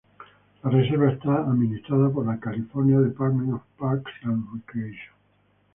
La reserva está administrada por la California Department of Parks and Recreation.